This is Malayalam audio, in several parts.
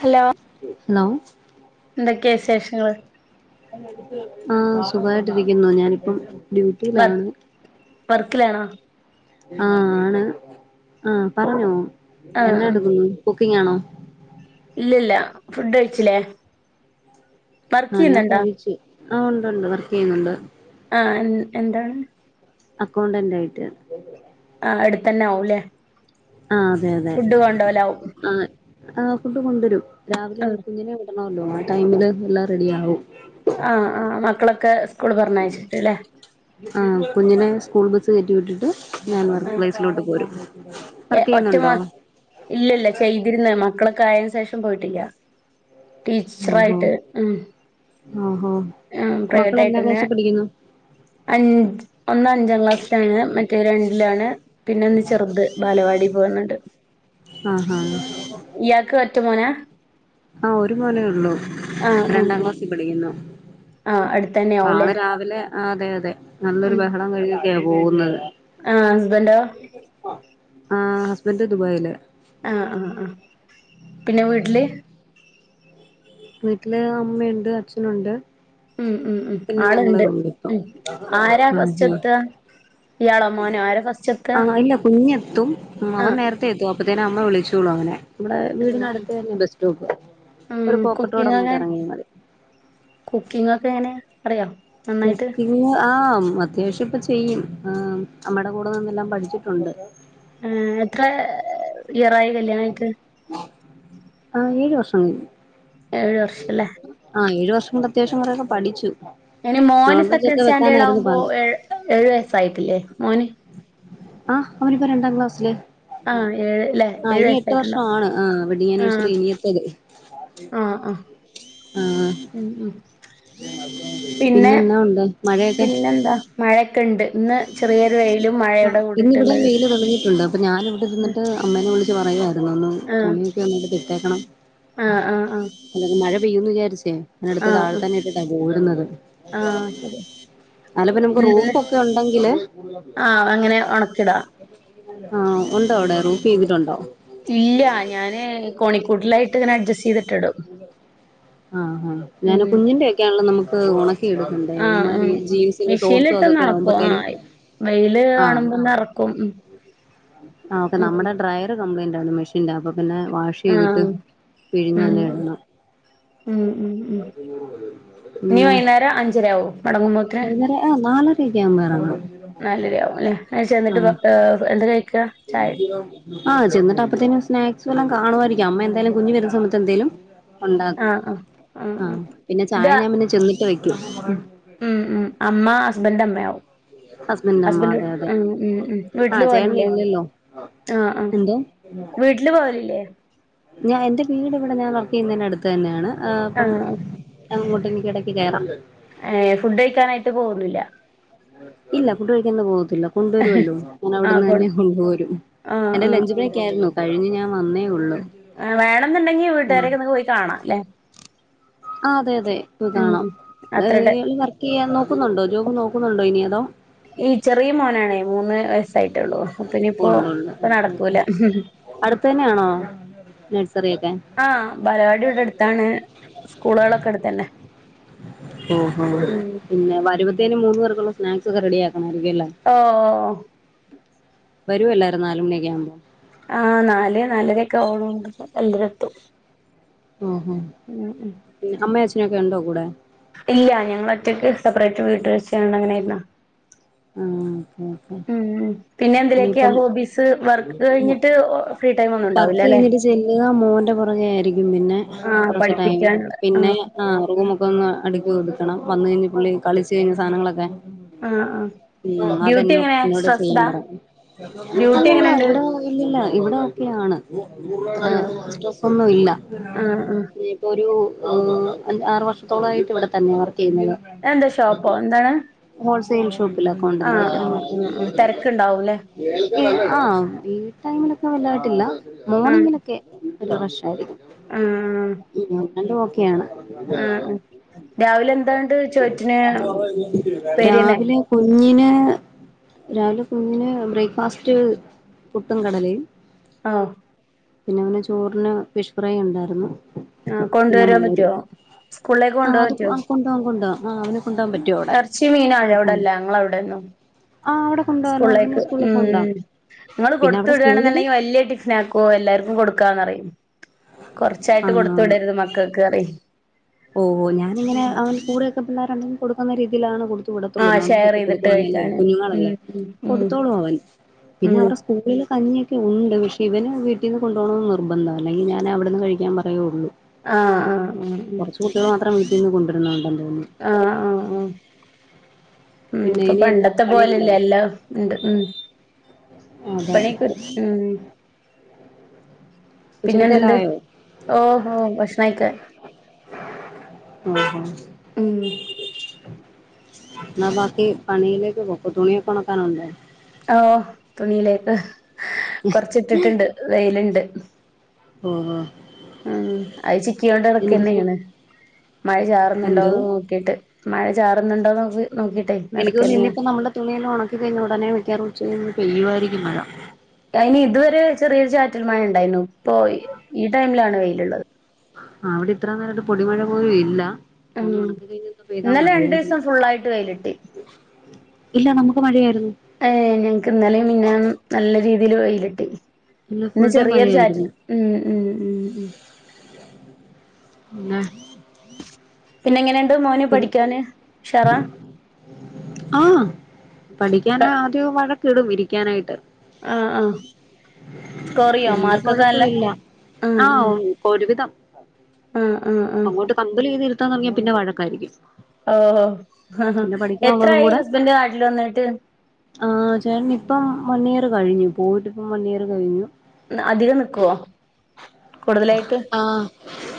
ഹലോ ലോ എന്തൊക്കെയാ വിശേഷങ്ങള് ആഹ് സുഖയിട്ടിരിക്കുന്നു ഞാനിപ്പം വർ ഡ്യൂട്ടിയിലാണ് വർക്കിലാണോ ആഹ് ആണ് ആഹ് പറഞ്ഞോ ആഹ് എന്നാ ആഹ് എടുക്കുന്നു കുക്കിംഗ്‌ ആണോ ഇല്ലില്ല ഫുഡ് കഴിച്ചില്ലേ വർക്ക് ആഹ് ഞാൻ ചെയ്യുന്നുണ്ടോ കഴിച്ചു ആ ഉണ്ട് ഉണ്ട് വർക്ക് യ്യുന്നുണ്ട് ആ എ എന്താണ് അക്കൗണ്ടന്റ് ആയിട്ട് ആ അടുത്ത് ന്നെ ആവും ല്ലേ ആ അതെ അതെ ആ ആ ഫുഡ്‌ കൊണ്ടുരും രാവിലെ ആഹ് കുഞ്ഞിനെവിടാ ണോല്ലോ ആ ടൈമില് എല്ലാം റെഡി യാവും ആഹ് ആ മക്കളൊക്കെ സ് സ്കൂൾ പറഞ്ഞയച്ചിട്ട്ല്ലേ ആഹ് കുഞ്ഞിനെ സ്കൂൾ ബസ് കേറ്റി വിട്ടിട്ട് ഞാൻ ആ വർക്ക് പ്ലേസിലോട്ട് പോരും ഏ വർക്ക് ഒറ്റ ചെയ്യുന്നുണ്ടോ മോൻ. ഇല്ലില്ല ചെയ്തിരുന്നെ മക്കളൊക്കെ ആയേനു ശേഷ തും പോയിട്ടില്ല ടീച്ചറായിട്ട് ഉം ആഹ് ആ പ്രൈവറ്റ് ആയിട്ട്ന്നെ അഞ് ഒന്ന് അഞ്ചാം ക്ലാസ്സിലാണ് മറ്റേ രണ്ടിലാണ് പിന്നെ ഒന്ന് ചെറുത് ബാലവാടി പോവ്ന്ന്ണ്ട് ആഹ് ആഹ് ഇയാൾക്ക് റ്റു മോനാ ആ ഒരു മോനേ ഉള്ളൂ ആഹ് ആഹ് രണ്ടാം ആഹ് ക്ലാസ്സിൽ പഠിക്കുന്നു ആഹ് അടുത്തന്നെ പ്പ ആവുംല്ലേ ആള് രാവിലെ ആ അതെ അതെ നല്ലൊരു ഉം ബഹളം കഴിഞ്ഞ ക്കെയാ പോകുന്നത് ആഹ് ഹസ്ബന്റോ ആ ഹസ്ബന്ഡ് ദുബായിലെ ആ ആ ആ പിന്നെ വീട്ടില് വീട്ടില് അമ്മയുണ്ട് അച്ഛനുണ്ട് ഉം ഉം ഉ പിന്നെ ഞങ്ങള് ആളുണ്ട് ഉള്ളെത്തും ഉ ആരാ ഫസ്റ്റ് ആഹ് എത്ത ഇയാളോ മോനോ ആരാ ഫസ്റ്റ് എത്ത ആഹ് ഇല്ല ആഹ അതിനെ അമ്മ വിളിച്ചോളു അവനെ നമ്മടെുടെ ആഹ് വീടിനടുത്ത് തന്നെ ബസ് സ്റ്റോപ്പ് ഒരു റോഡ് കുക്കിങ്ങ അങ്ങോട്ട് ഇറങ്ങിയാ മതി കുക്കിംഗ് ഒക്കെങ്ങ അറിയോ നന്നായിട്ട് കുക്കിംഗ് ആഹ അത്യാവശ്യം ഇപ്പ ചെയ്യും നമ്മടെ കൂടെ നിന്നെല്ലാം പഠിച്ചിട്ടുണ്ട് ആ എത്ര ഇയറായി കല്യാണട്ട് ആഹ ഏഴ് വർഷം കഴിഞ്ഞ് ഏഴ് വർഷല്ലേ അത് കൊണ്ട് അത്യാവശംൂറൊക്കെ പഠിച്ചു ഇനി മോന് നോൺ വെജ് സെക്കൻഡ് ഒക്കെ സ്റ്റാൻഡേർഡ് വെക്കാനായിരുന്നു ആകുമ്പോ പാട് ഏഴു വയസ്സായിട്ടില്ലേ മോന്ന് ആഹ് അവനിപ്പോ രണ്ടാം ക്ലാസ്സില് ആഹ് ഏഴ് ല്ലേ ആ ഏഴു ഇനി എട്ട് വയസ്സായിട്ടുണ്ടാവും വർഷാണ് ആ വെഡ്ഡിംഗ് ആഹ് അന്നിവേഴ്സറി ഇനിയത്തത് ആഹ് ആഹ് ഉം ഉം പിന്നെ എന്നാ ഉണ്ട് മഴയൊക്കെ പിന്നെന്താ മഴയൊക്കെ ഉണ്ട് ഇന്ന് ചെറിയൊരു വെയിലും ആ മഴയുടെ ഇന്നിവിടെ കൂടിയിട്ടുള്ള വെയിയില് ദിവസം തെളഞ്ഞിട്ടുണ്ട് അപ്പൊ ഞാാനിവിടെ ന്നിട്ട് അമ്മേനെ വിളിച്ചച്ച് പറയമായിരുന്നു ഒന്ന് ആഹ് തുണിയൊക്കെന്ന് ഇടേക്കണം ആഹ് ആഹ് ആഹ് [unintelligible] മഴ പെയൂന്ന് വിചാരിച്ചേ അടുത്ത ആഹ് താഴെന്നായിട്ടാ പോ- അ വുന്നത് ആഹ് ശരി അല്ലങ്കിൽ നമുക്ക് ഇന്ന് റൂഫൊ ക്കെ ഉണ്ടെങ്കിൽ ഏ ആഹ് അങ്ങനെ ഉണക്കിടാ ആഹ ഉണ്ടോ അവിടെ ചെയ്തിട്ടു ണ്ടോ ഇല്ല ഞാന് കോഴി ക്കൂട്ടിലായിട്ട് ഇവ നെ അഡ്ജസ്റ്റ് ചെയ്തിട്ടി ടും അ ത ആ ആാ ഞാനൻ കുഞ്ഞിന്റെറെ ഒൊക്കെയണള്ളത് നമുക്ക് ഒ ണ ആഹ ആ മിഷീനിലി ഷോർട്ടും ട്ട് അതൊക്കെ നന ക്കും ആ ആവുമ്പത്തേനും വെയില് ആഹ് കാണുമ്പോൾ എടുക്കും ഉ ഉ മെഷൻ [inaudible] പിന്നെ വാഷ് ചെയ്തിട്ട് പിഴിഞ്ഞു തന്നെ ഉ ഇടണം ഉ ഉ ഇനീ പിന്നെ വൈന്നേരം അഞ്ചരആവോ മടങ്ങുമ്പോ വൈകുന്നേരം ആഹ് നാലരയൊക്കെ ആവുമ്പോ ഇറങ്ങും [unintelligible] [unintelligible] എക്ക് ആ ചെന്നിട്ടപ്പോത്തെനും സ്നാക്സ് വല്ലോം കാണുമായിരിക്കും അമ്മ എന്തായാലും കുഞ്ഞ് വരുന്ന സമയത്ത് എന്തേലും ഒണ്ടാക്കും ആഹ് ആഹ് ആഹ് ആ ആഹ് പിന്നെ ഇത് ചായ ഞാൻ പിന്നെ ചെന്നിട്ട് വെക്കും [unintelligible] ഉം ഉം അമ്മ ഹസ്ബന്റെ അമ്മയാവും ഹസ്ബൻഡിന്റെ അമ്മ ഹസ്ബന്റ് അതെ അതെ ആ ഉം ഉം വീട്ടില് ആഹ് ചേട്ടൻ പോവലില്ലേ ഇല്ലല്ലോ ആ ആ എന്തോ വീട്ടില് പോവലില്ലേ ഞാൻ എന്റെ വീട് ഇവിടെ ഞാൻ വർക്ക് ചെയ്യുന്നേന്റെ അടുത്ത് തന്നെയാണ് ആ അപ്പം ആഹ് അങ്ങോട്ട് എനിക്കിടക്ക് കയറാം ഏ ഫുഡ് കഴിക്കാനായിട്ട് പോകുന്നില്ല ഇല്ല ഫുഡ്കഴിക്കാൻ ‌ എന്ന് പോവ് ല്ല കൊണ്ടുവരോല്ലോ ഞാൻ ആഹ് അവിടുന്ന് കൊ തന്നെ കൊണ്ടു പോരും ആഹ് എന്റെ ലഞ്ച് ബ്രേക്ക് ആയിരുന്നു കഴിഞ്ഞ് ഞാൻ വന്നേ ഉള്ള് ആ വേണന്നിണ്ടെങ്കി വീട്ടുകാരക്കെ ഒന്ന് പോയി കാണാം അല്ലെ ആ അതെ അതെ പോയ് കാണാം ആ അത്രടെ ഇയാള് വർക്ക് ചെയ്യാന്നോ ക്കുന്നുണ്ടോ ജോബ് നോക്കുന്നുണ്ടോ ഇനി അതോ ഈ ചെറിയ മോനാണേ മൂന്ന് വയസ് ട്ടായിട്ടുള്ളൂ പിന്ന ഇപ്പോ ഉള്ളു ഉള്ളു ഇപ്പ ഓക്കെ ഓക്കെ നടക്കൂല അടുത്ത് തന്നെയാണോ നഴ്സറിയൊക്കെ ആ ബാലവാടി ഇവിടെ എടുത്താണ് സ്കൂളുകളൊക്കെ അടുത്തന്നേ ഓഹോ ഉം പിന്നെ വരുമ്പത്തേനും [unintelligible] സ്നാക്സ് ഒക്കെ റെഡിയാക് ആ വരുഎല്ലാരും നാലുമണിയൊക്കെ ആവുമ്പോം ആ നാല് നാലരൊക്കെ [unintelligible] എന്തരട്ടു ഓഹോ പിന്നെ അമ്മ അച്ഛനൊക്കെ ഒണ്ടോ കുട ഇല്ല ഞങ്ങള് ഒറ്റയ്ക്ക് സെപ്പറേറ്റ് വീട്ട് വച്ച് ഞങ്ങൾ അങ്ങനെയായിരുന്ന് ആഹ് ഓക്കെ ഉം പിന്നെ ഓക്കെ എന്തിലൊക്കെയാ ഇനിയിപ്പം ഹോബീസ് വർക്ക് കഴിഞ്ഞിട്ട് ഫ്രീ ടൈം ഒന്നും ഉണ്ടാവൂല്ലാല്ലേ ആ മോന്റെ പുറകെ ആയിരിക്കും പിന്നെ ആഹ് കുറച്ച് ടൈം പഠിപ്പിക്കാനുള്ള പിന്നെ ആഹ് ആ റൂമൊക്കെ ഒന്ന് അടുക്കി ഒതുക്കും എത്തണം വന്ന് കഴിഞ്ഞ് പുള്ളി കളിച്ചു കഴിഞ്ഞ സാധനങ്ങളൊക്കെ ആ ആ ഉം അതെന്നോട് ചെയ്യാൻ പറയാം ഡ്യൂട്ടി അതല്ല എങ്ങനെണ്ട് ഇവിടെ ഇല്ലല്ല ഇവിടെ ഒക്കെയാണ് ആഹ് സ്‌ട്രെസ്സൊന്നും ഇല്ല ആഹ് ആഹ് ഇപ്പൊ ഒരു ഓ അഞ്ച് ആറ് വർഷത്തോളായിട്ട് ഇവിടെ തന്നെയാവർക്ക് ക്കെയുന്നത് എന്താ ഷോപ്പോ എന്താണ് ഹോൾസെയിൽ ഷോ ആഹ് ഷോപ്പിലകൗണ്ടന്റായിട്ട് ആഹ് ആഹ് ആഹ് തിരക്കുണ്ടാവൂല്ലേ ഏ ആ ഞാൻ വല്ലാട്ടില്ല ആഹ് മോർണിംഗിലൊക്കെ ഒരു വർഷായി ആഹ് ഉം രണ്ടുഓക്കെയാണ് ആഹ് ആഹ് രാവിലെ എന്താണ്ട് ചോറ്റിന് ഉപ്പേരിന്നെ രാവിലെ കുഞ്ഞിന് രാവിലെ കുഞ്ഞിന് ബ്രേക്ക്ഫാസ്റ്റ് പുട്ടും കടലയും ആഹ് പിന്നെ അവന് ചോറിന് ഫിഷ് ഫ്രൈ ഉണ്ടായിരുന്നു ആഹ് കൊണ്ട പിന്നെ വരാൻ മോരും പറ്റുവോ സ്കൂളിലേക്ക് കൊണ്ട ആഹ് പോരാൻ അത് പറ്റുവോ കൊണ്ടോവാം കൊണ്ടോവാം ആഹ് അവനെ കൊണ്ടാൻ പറ്റു അവിടെ കുഴപ്പൊ ടെന്നും സ്കൂളിലേക്ക് സ്കൂളിൽ കൊണ്ടോവാം ഉം നിങ്ങൾ പിന്നെ കൊടുത്തു അവിടെ സ്കൂളില് വിടുകയാണെന്നുണ്ടെങ്കിൽ വലിയ ടിഫിനക്കുവോ എല്ലാർക്കും കൊടുക്കാന്ന്റിയും കൊറച്ചായിട്ട് കൊടുത്ത്വിടരുത് മക്കൾക്കറെ ഓഹോ ഞാനിങ്ങനെ അവൻ കൂടെ ഒക്ക പിള്ളരണ്ടങ്കിൽ കൊടുക്കുന്ന രീതി തിലാണ് കൊ ആ ത്തുവിടത്തുള്ളൂ ഷെയർ നോണ്വേജൊക്കെ ചെയ്തിട്ട് കൊടുക്കുവാണല്ലേ കഴിക്കാന് ഉം കുഞ്ഞുങ്ങളല്ലേ ഉം കൊടുത്തോളൂ അവൻ പിന്നെ ഉം അവരുടെ സ്കൂളിൽ കഞ്ഞി ഇണ്ട് പക്ഷേ ഇവന് വീട്ടിന്ന് കൊണ്ടോണംന്ന് നിർബന്ധ അല്ലെങ്കിൽ ഞാൻ അവിടുന്ന് കഴിക്കാൻ പറയേ ഉള്ളൂ ഹാ ഹാ ആഹ് കൊറച്ചു കുട്ടിയേള് മാത്രം പിൻ കൊണ്ടരണോന്ന് ഹാ ഹാ ആഹ് ഉം പിന്നെ ഇപ്പൊ ഇനിയെന്നാ പണ്ടത്തെ പോലെല്ല പണിയുണ്ടോ എല്ലാം ഇണ്ട് ഉം അതെ പണി [unintelligible] ഉം പിന്നെ ഉച്ചക്കത്തെല്ലാം എന്തുണ്ട് ആയോ ഹോ ഹോ ഭക്ഷണായ്ക്ക് അഹ് ഹ ഉം എന്നാ ബാക്കി പണിയിലേക്ക് പോക്കൊ തുണിയൊക്കെ ഒണക്കാനുണ്ട് ആ തുണിയിലേക്ക് കൊറച്ചിട്ടിട്ട്ണ്ട് വെയില്ണ്ട് [inaudible] മൂ മൂ ആ അത് ചിക്കിയിടണ്ട് എടക്ക് എനിക്കിച്ചിരി ഇങ്ങനെ മഴ എന്തോ ചാറ്ന്നുടൊന്ന് നോക്കിട്ട് മഴ ചാറ്ന്നുണ്ടോ നോക്ക് എനിക്കോന്ന് ഇന്ന് ഇപ്പൊ നമ്മള്ടെ തുണിയിന്ന് ഒണക്കി കഴിഞ്ഞൊടനെ മിക്കാറും ഉച്ച കയ്യുമ്പൊ പെയ്യു ആയിരിക്ക ഈ മഴ അയിനി ഇതുവരെ ചെറിയൊരു ചാറ്റൽ മഴ ഇണ്ടായിരുന്നു ഇപ്പൊ ഈ ടൈമിലാണ് വെയില് ഇള്ളത് ആ അവിടെ ഇത്ര നേരായിട്ട് പൊടിമഴ പോലും ഇല്ലാ ഉം ഇന്നലെ രണ്ടൂസം ഫുള്ളായിട്ട് വെയില് കിട്ടി ഇല്ല നമുക്ക് മഴയായിരുന്നു ഏ ഞങ്ങ്ക്ക് ഇന്നലെയും മിഞ്ഞാന്നും നല്ല ചൂട് ഇതില് വെയിലട്ടി ഫുൾ ഇന്ന് ഡേ ചെറിയൊരു ചാറ്റ് മഴയായിരുന്നു ഉം ഉം ഉം മ് പിന്നെ പിന്നെ എങ്ങനെയാണ് പിൻ ആ പഠിക്കാൻ ആദ്യം വഴ ക്കിടും ഇരിക്കാനായിട്ട് ആ ആ സ്കോറെയ്യോ പിന്നെ മാർക്കൊക്കെ നല്ല കൊഴപ്പമില്ല ആ ഒരുവിധം ആ ആ ആ ആ തൊടങ്ങിയ പിന്നെ വഴ കരിക്കും ഓഹോ എത്രായി കൂടെ ഹസ്ബൻഡ് നാട്ടില് വന്നിട്ട് ആ ചേട്ടന് ഇപ്പം വൺ ഇയർ കഴിഞ്ഞു പോയിട്ടിപ്പം വൺ ഇയർ കഴിഞ്ഞു അധികം നിക്കോ ആഹ്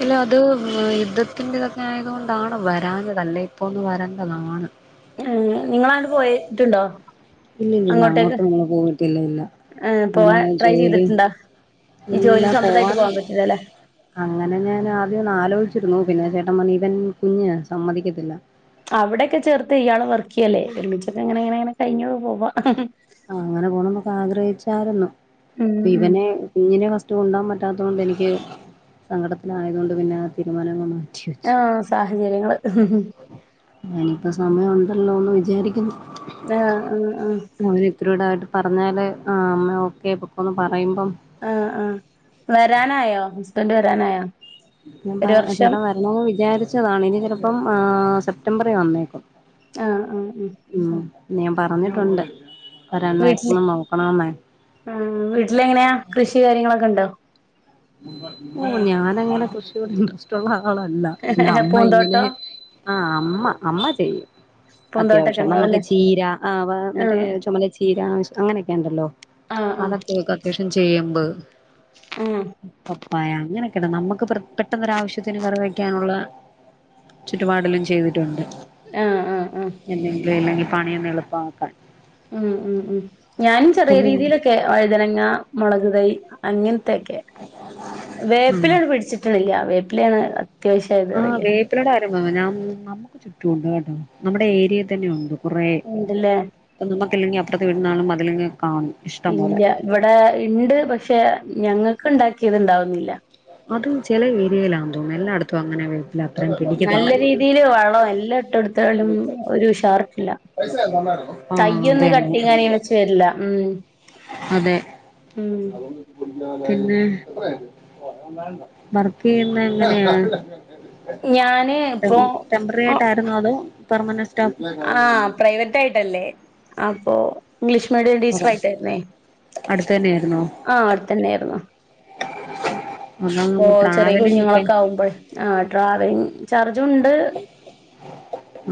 ഇല്ല അത് ഉം യുദ്ധത്തിന്റെതൊക്കെ ആയതു കൊണ്ടാണ് വരാഞ്ഞത് അല്ലെ ഇപ്പ ഒന്ന് വരേണ്ടതാണ് ഏഹ് നിങ്ങളാണ്ട് പോയിട്ടുണ്ടോ ഇല്ലല്ല അങ്ങോട്ടേക്ക് അങ്ങോട്ടും നിങ്ങൾ പോയിട്ടില്ല ഇല്ല ഏഹ് അങ്ങനെ പോവാൻ ട്രൈ ജോലി ചെയ്തിട്ടുണ്ടോ ഈ ഇല്ല ജോലി സംബന്ധമായിട്ട് പോവാൻ പോകാൻ പറ്റില്ല അല്ലേ അങ്ങനെ ഞാൻ ആദ്യം നാലോ രുന്നു പിന്നെ ചേട്ടൻ പറഞ്ഞു ഇവൻ കുഞ് സമ്മതിക്കത്തില്ല അവിടെയക്കെേ ചേർത്ത് ഇയാളെ വർക്ക് ചെയ്യല്ലേ ഒരുമിച്ചൊക്കെ എങ്ങനെങ്ങനെങ്ങനെ കഴിഞ്ഞ് പോവാ ആ അങ്ങനെ പോണൊക്കെ ആഗ്രഹിച്ചായിരുന്നു ഉം ഉം ഇവനെ കുഞ്ഞിനെ ഫസ്റ്റ് കൊണ്ടൻ പറ്റ പറ്റത്തൊണ്ട് എനിക്ക് സങ്കടത്തില ആയതുകൊണ്ട് പിന്നെ ആ തീരുമാനങ്ങള ആ സാഹചര്യങ്ങള് ഞാനീപ്പ സമയമുണ്ടല്ലോ എന്ന് വിചാരിക്കുന്നു ആ ആ ആ പറഞ്ഞാലൂ ആ അമ്മ ഓക്കെ പോക്കൊന്ന് പറയുമ്പം ആ ആ വരാനായോ ഹസ്ബൻഡ് വരാനായോ ഞാൻ ഒരു വർഷം ചേട്ടൻ വരണമന്ന് വിചാരിച്ചതാണ് ഇനി ചിലപ്പം ആ സെപ് പ്റ്റംബറിലെ വന്നേക്കും ആ ആ ഉം ഉം ഞാൻ പറഞ്ഞിട്ടുണ്ട് വരാൻ വീട്ടില് മാക്സിമം നോക്കണോന്നേ ആ വീട്ടില എങ്ങനെയാ കൃഷി കാര്യങ്ങളൊക്കെ ഉണ്ടോ ഓ ഞാനങ്ങനെ കൃഷിയട് ഇൻട്രസ്റ്റ് ഉള്ള ആളല്ല പിന്നെ അമ്മ ഇങ്ങനെ പൂന്തോട്ടം ആ അമ്മ അമ്മ ചെയ്യും പൂന്തോട്ടൊക്കെ അത്യാവശ്യം നമ്മുക്ക് ഉണ്ടാവുംല്ലേ ചീര ആ മറ്റേ ആഹ് ചുമല ചീര അങ്ങനെയൊക്കെ ഉണ്ടല്ലോ ആഹ് അതൊക്കെ അത്യാവശ്യ ചെയ്യുമ്പോ ആ പപ്പായ അങ്ങനെയൊക്കെ നമുക്ക് പ്രേ പെട്ടെന്ന് ഒരുവശ്യത്തിന് കറി വെക്കാനുള്ള ചുറ്റുപാടലും ചെയ്തിട്ടുണ്ട് ആഹ് ആഹ് ആഹ് ആഹ് എന്തെങ്കിലല്ലങ്ക പണിയന്ന് എളുപ്പമാക്കാൻ ഉം ഉം ഉം ഞാനും ചെറിയ പിന്നെ രീതിയിലൊക്കെ വഴുതനങ്ങ മുളക് തൈ അങ്ങ തെക്കേ ആഹ് വേപ്പിലോ പിടിച്ചിട്ടില്ല വേ ഇലാണ് ആഹ് വേപ്പിലയുടെ ആരംഭ നമ്മുക്ക് ചുറ്റുമുണ്ട് നമ്മുടെ ഏരിയയിൽ തന്നെ ഉണ്ട് കുറേ ഉണ്ടല്ലേ ഇപ്പ നമ്മുക്കല്ലെങ്കി അപ്പുറത്തെ വിടുന്നാളും മ [unintelligible] ഇല്ല ഇവിടെ ഇണ്ട് പക്ഷെ ഞങ്ങൾക്ക് ഉണ്ടാക്കി ചെയ്തുണ്ടാവുന്നില്ല അത് ചില ഏരിയയിലാ തോന്നും എല്ലായിടത്തും അങ്ങനെ വ നല്ല രീതിൽ വളം എല്ലാ ഇട്ടെടുത്താലും ഒരു ഉഷാറിട്ടില്ല ആഹ് അത് തന്നെ തയ്യൊന്ന്കട്ടിങ്ങാന വെച്ച് ചേരില്ല ഉം അതെ ഉം പിന്നെ വർക്ക് ചെയ്യുന്നത് എങ്ങനെയാണ്? ഞാന് ഡെമ്ബ്രറി ആയിട്ടായിരുന്നോ? അതോ? പെർമന ആ പ്രൈവറ്റ് ആയിട്ടല്ലേ? അപ്പൊ ഇംഗ്ലീഷ് മീഡിയം ടീച്ചർ അതെ ആയിട്ടായിരുന്നേ അടുത്ത് തന്നെയായിരുന്നോ ആ അവിടെ തന്നെ ആയിരുന്നു. അപ്പൊ അതാവുമ്പോ ചെറിയ ട്രാവലിംഗ് ഒക്കെ കുഞ്ഞുങ്ങളൊക്കെ ആകുമ്പോൾ ആ ട്രാവലിങ് ചർ ഇതുണ്ട്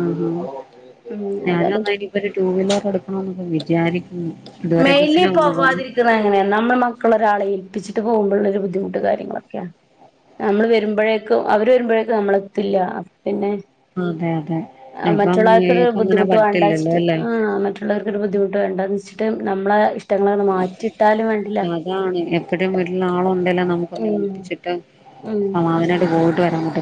ആ ആ ഞാന ഏതായാലും ഒന്നനിപ്പൊ ഒരു ടു വീലർ എടുക്കണം വിചാരി മെയിലി പോവാതിരിക്കുന്നത് എങ്ങനെയാ നമ്മൾ മക്കള ഒരാളെ ഏൽപ്പിച്ച് പോകുമ്പോഴ ഒരു ബുദ്ധിമുട്ട് കാര്യങ്ങളൊക്കെയാ നമ്മള് വരുമ്പോഴേക്കും അവര് വരുമ്പോഴേക്കും നമ്മളെത്തില്ല പിന്നെ അതെ അതെ അപ്പം മറ്റുള്ളവർകൊരു ഇയാക്ക് അങ്ങനെ ബുദ്ധിമുട്ട് വേണ്ട പറ്റില്ലല്ലോ വച്ചിട്ട് അല്ലേ ആ മറ്റുള്ളോർക്കൊരു ബു ദ്ധിമട്ടണ്ടാന്ന് വച്ചിട്ട് ടും നമ്മളെ ഇഷ് റ്റങ്ങളെ മാറ്റിയിട്ടാലും വേണ്ടില്ല ചിട്ട് വീട്ടിൽ ആള് എല്ലാം നമുക്ക് ഉം എൽപ്പിച്ചിട്ട് സമാധാനായിട്ട് പോയിട്ട് വരാ ആതെ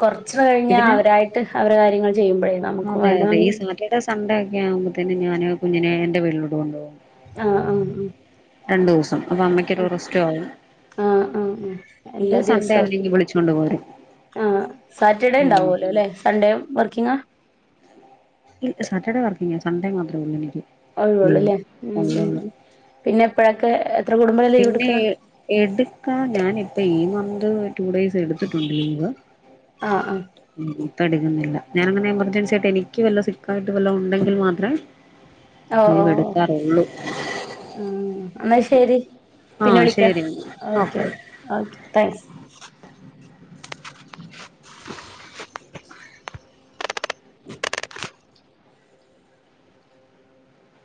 കുറച്ച കഴിഞ്ഞ അവരായിട്ട് അവരെ കാര്യങ്ങൾ ചെയ്യുമ്പഴേ അതെ അതെ ഈ സാറ്റർഡേ സൺഡേ ഒക്കെ ആകുമ്പതിന് ഞാന് കുഞ്ഞിനെ എന്റെ വീലോട്ട്കൊണ്ടു പോകും ആ ആ രണ്ട് ദിവസം അപ്പൊ അ അമ്മയ്ക്കൊരു റെസ്റ്റും ആവും ആ ആ എല്ലാ എന്നിട്ട് സൺഡേ ദിവസവും ആണെങ്കി വിളിച്ചോണ്ട് പോരും ആ സാറ്റർഡേ ഉം ഉണ്ടാവുമല്ലോ അല്ലെ സൺഡേ വർക്കിംഗാ ഇല്ല സാറ്റർഡേ വർക്കിങ്ങ സൺഡേ മാത്രേള്ളൂ നിക്ക് ഒഴിവുള്ളൂ ലീവ് അല്ലേ ഉം ഉം ഉള്ളള്ള ഉം പിന്നെ എപ്പോഴൊക്കെ എത്ര കുടുംബം ലീവ് പിന്നെ എടുക്കുക എടുക്കാ ഞാൻ ഇപ്പൊ ഈ മന്ത് ടു ഡേയ്സ് എടുത്തിട്ടുണ്ട് ലീവ് ആഹ് ആഹ് ഉം തടുകുന്നില്ല ഞാന അങ്ങനെ എമർജൻസി ആയിട്ട് എനിക്ക് വല്ല സിക്കായിട്ട് വല്ല ഉണ്ടെങ്കിൽ മാത്രം ഓ ഓ ഉം എന്നാ ശരി പിന്നെ ആഹ് വിളിക്ക ശരി എന്നാ. Okay thanks